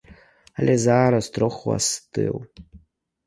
Але зараз троху астыў.